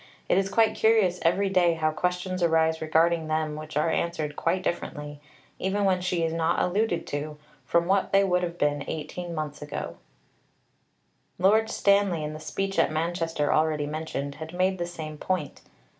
It is quite curious every day how questions arise regarding them which are answered quite differently, even when she is not alluded to, from what they would have been 18 months ago." Lord Stanley, in the speech at Manchester already mentioned, had made the same point.